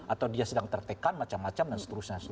atau dia sedang tertekan macam macam dan seterusnya